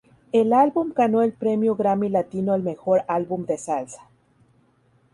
El álbum ganó el Premio Grammy Latino al Mejor Álbum de Salsa.